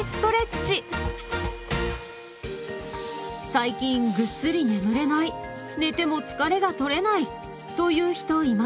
最近ぐっすり眠れない寝ても疲れがとれないという人いませんか？